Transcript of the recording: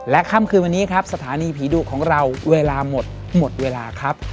ค่ำคืนวันนี้ครับสถานีผีดุของเราเวลาหมดหมดเวลาครับ